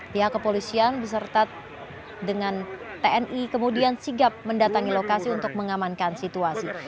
pihak kepolisian beserta dengan tni kemudian sigap mendatangi lokasi untuk mengamankan situasi